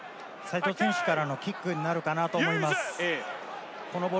齋藤選手からのキックになるかなと思います。